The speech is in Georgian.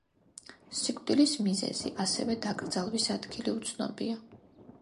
სიკვდილის მიზეზი, ასევე დაკრძალვის ადგილი უცნობია.